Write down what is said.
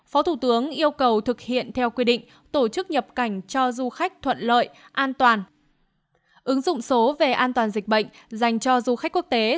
phó thủ tướng giao bộ văn hóa thể thao du lịch xem xét quyết định việc mở cửa hoàn toàn trong lĩnh vực du lịch trong giai đoạn đầu để các địa phương căn cứ vào đó thực hiện